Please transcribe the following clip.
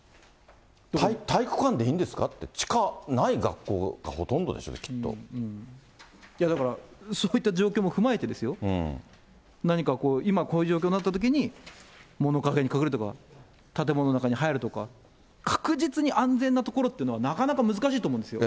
体育館でいいんですかって、地下ない学校がほとんどですよ、いや、だからそういった状況も踏まえてですよ、何かこう、今こういう状況になったときに、物陰に隠れるとか、建物の中に入るとか、確実に安全な所っていうのはなかなか難しいと思うんですよ。